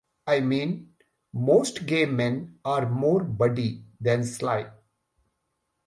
I mean, most gay men are more Buddy than Sly.